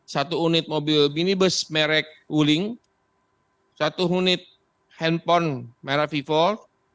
satu unit mobil minibus merek wuling satu unit handphone merek vull